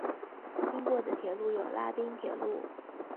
经过的铁路有拉滨铁路。